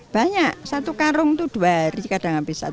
banyak satu karung itu dua hari kadang habis